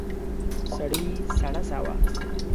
سړي سړه ساه واخيسته.